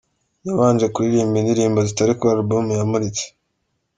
Yabanje kuririmba indirimbo zitari kuri album yamuritse.